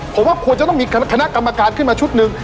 ผมว่าควรจะต้องมีคณะกรรมการขึ้นมาชุดหนึ่ง